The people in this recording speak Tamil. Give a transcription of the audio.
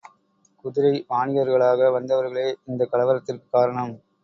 குதிரை வாணிகர்களாக வந்தவர்களே இந்தக் கலவரத்திற்குக் காரணம்.